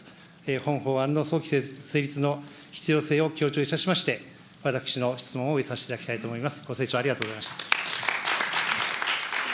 本法案の早期成立の必要性を強調いたしまして、私の質問を終えさせていただきたいと思います。